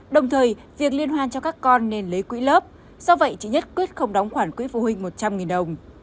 đồng thời việc liên hoan cho các con nên lấy quỹ lớp do vậy chị nhất quyết không đóng khoản quỹ phụ huynh một trăm linh đồng